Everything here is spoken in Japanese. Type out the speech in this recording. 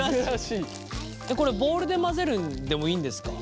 これボウルで混ぜるでもいいんですか？